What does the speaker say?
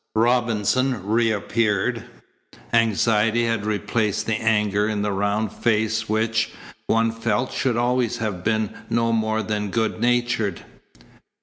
Robinson reappeared. Anxiety had replaced the anger in the round face which, one felt, should always have been no more than good natured.